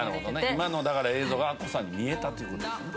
今のだから映像がアッコさんに見えたっていう事ですね。